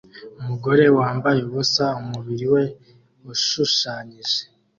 Umugore wambaye ubusa umubiri we ushushanyije